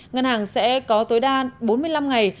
ngân hàng sẽ có tối đa bốn mươi năm ngày